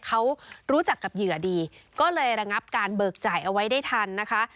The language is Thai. เขารู้จักกับเหยื่อดีก็เลยระงับการเบิกจ่ายเอาไว้ได้ทันนะคะ